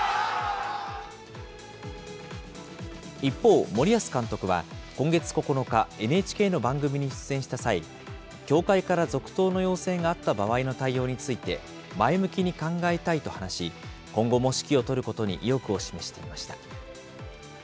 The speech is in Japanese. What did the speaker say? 一方、森保監督は、今月９日、ＮＨＫの番組に出演した際、協会から続投の要請があった場合の対応について、前向きに考えたいと話し、今後も指揮を執ることに意欲を示していました。